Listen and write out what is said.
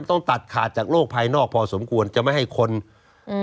ต้องตัดขาดจากโลกภายนอกพอสมควรจะไม่ให้คนอืม